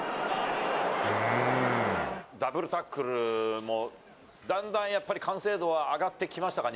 ダブルタックルも、だんだんやっぱり完成度は上がってきましたか？